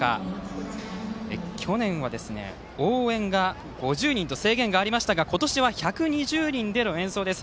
去年は応援が５０人と制限がありましたが今年は１２０人での演奏です。